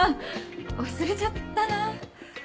忘れちゃったなぁ。